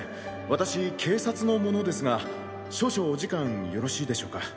私警察の者ですが少々お時間よろしいでしょうか？